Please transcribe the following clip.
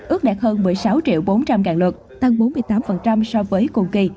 ước đạt hơn một mươi sáu triệu bốn trăm linh lượt tăng bốn mươi tám so với cùng kỳ